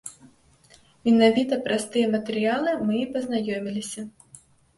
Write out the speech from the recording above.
Менавіта праз тыя матэрыялы мы і пазнаёміліся.